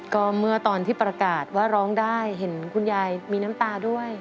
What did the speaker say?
ก็เมื่อตอนที่ประกาศว่าร้องได้เห็นคุณยายมีน้ำตาด้วย